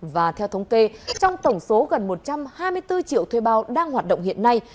và theo thống kê trong tổng số gần một trăm hai mươi bốn triệu thuê bao đang hoạt động hiện nay